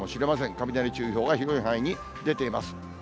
雷注意報が広い範囲に出ています。